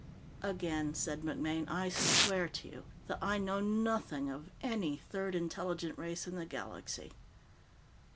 _" "Again," said MacMaine, "I swear to you that I know nothing of any third intelligent race in the galaxy."